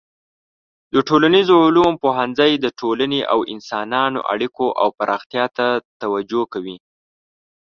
د ټولنیزو علومو پوهنځی د ټولنې او انسانانو اړیکو او پراختیا ته توجه کوي.